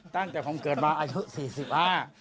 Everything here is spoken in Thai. ตั้งแต่ผมเกิดมาอายุศิสิบ